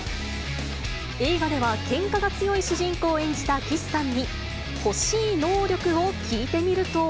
映画ではけんかが強い主人公を演じた岸さんに、欲しい能力を聞いてみると。